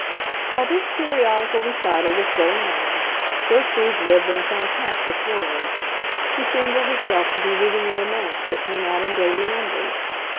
While this periodical recital was going on, Gertrude lived in a fantastic world; she seemed to herself to be reading a romance that came out in daily numbers.